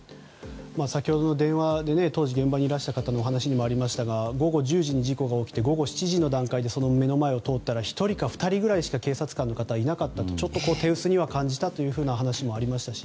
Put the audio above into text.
先ほどの電話で当時現場にいらした方のお話にもありましたが午後１０時に事故が起きて午後７時の段階でその目の前を通ったら１人か２人くらいしか警察官がいなくてちょっと手薄に感じたという話もありましたね。